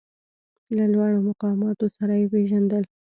له لوړو مقاماتو سره یې پېژندل.